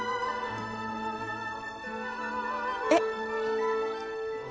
えっ。